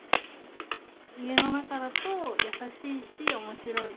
家の中だと優しいし、おもしろい。